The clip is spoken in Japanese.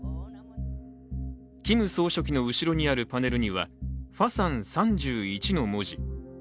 キム総書記の後ろにあるパネルにはファサン３１の文字。